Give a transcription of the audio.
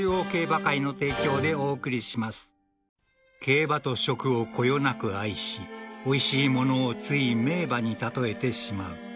［競馬と食をこよなく愛しおいしいものをつい名馬に例えてしまう］